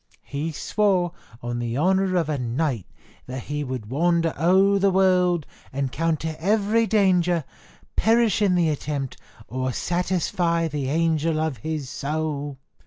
He swore, on the honour of a knight, that he would wander o'er the world, encounter every danger, perish in the attempt, or satisfy the angel of his soul."